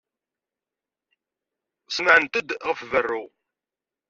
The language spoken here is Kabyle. Smeɛnent-d ɣef berru.